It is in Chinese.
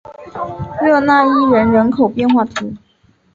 热讷伊人口变化图示